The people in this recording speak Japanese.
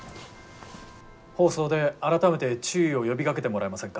放送で改めて注意を呼びかけてもらえませんか？